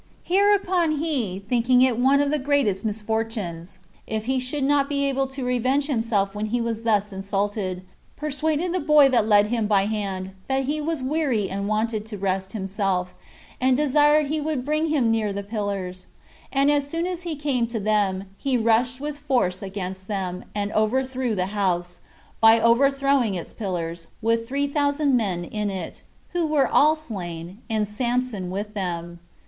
Hereupon he, thinking it one of the greatest misfortunes, if he should not be able to revenge himself when he was thus insulted, persuaded the boy that led him by the hand, that he was weary and wanted to rest himself, and desired he would bring him near the pillars; and as soon as he came to them, he rushed with force against them, and overthrew the house, by overthrowing its pillars, with three thousand men in it, who were all slain, and Samson with them.